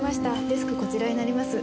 デスクこちらになります。